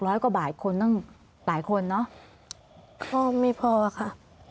ร้อยกว่าบาทคนตั้งหลายคนเนอะก็ไม่พอค่ะ